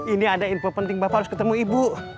ini ada info penting bapak harus ketemu ibu